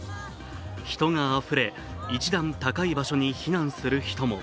人があふれ、１段高い場所に避難する人も。